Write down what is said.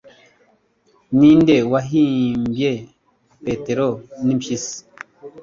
Ninde wahimbye Petero nimpyisi